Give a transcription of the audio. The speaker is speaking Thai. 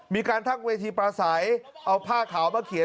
มีการทักเวทีปลาใสเอาผ้าขาวมาเขียน